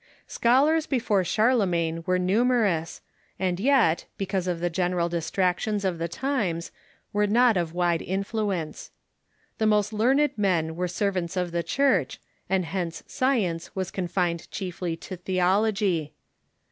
Scholars before Charlemagne were numerous, and yet, be cause of the general distractions of the times, were not of Avide influence. The most learned men Avere Scholars before g^j.^.^ntg ^f x\^q Church, and hence science was Charlemagne _' confined chiefly to theology.